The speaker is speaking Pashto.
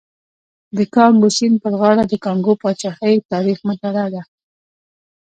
د کانګو سیند پر غاړه د کانګو پاچاهۍ تاریخ مطالعه ده.